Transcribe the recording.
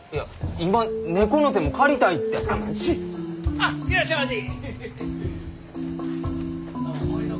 あっいらっしゃいませ！